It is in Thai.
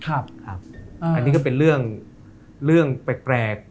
อันนี้ก็เป็นเรื่องแปลก